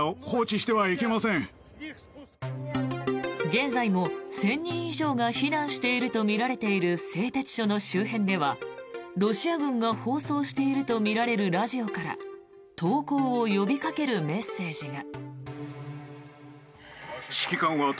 現在も１０００人以上が避難しているとみられている製鉄所の周辺ではロシア軍が放送しているとみられるラジオから投降を呼びかけるメッセージが。